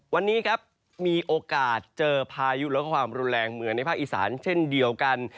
วันนี้ครับมีโอกาสเจอพายุแล้วก็ความรุนแรงเหมือนในภาคอีสานเช่นเดียวกัน